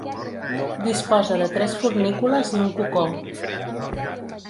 Disposa de tres fornícules i un cocó.